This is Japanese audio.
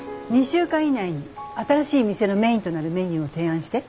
２週間以内に新しい店のメインとなるメニューを提案して。